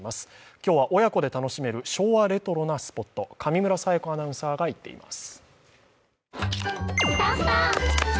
今日は親子で楽しめる昭和レトロなスポット、上村彩子アナウンサーが行っています。